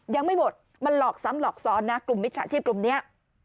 ยังไม่หมดมันหลอกซ้ำหลอกซ้อนนะกลุ่มมิจฉาชีพกลุ่มนี้